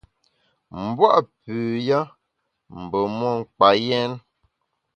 M’bua’ pü ya mbe mon kpa yèn.